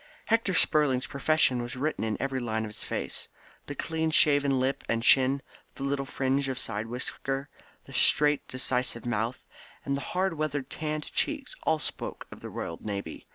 Hector Spurling's profession was written in every line of his face. The clean shaven lip and chin, the little fringe of side whisker, the straight decisive mouth, and the hard weather tanned cheeks all spoke of the Royal Navy.